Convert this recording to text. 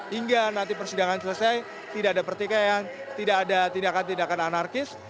hingga nanti persidangan selesai tidak ada pertikaian tidak ada tindakan tindakan anarkis